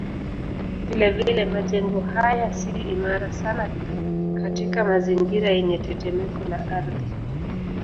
Vilevile majengo haya si imara sana katika mazingira yenye tetemeko la ardhi.